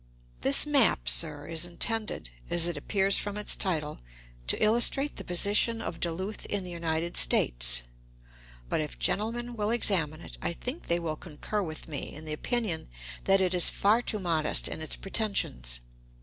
This map, sir, is intended, as it appears from its title, to illustrate the position of Duluth in the United States; but if gentlemen will examine it, I think they will concur with me in the opinion that it is far too modest in its pretensions.